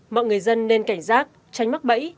mọi người dân nên cảnh giác tránh mắc bẫy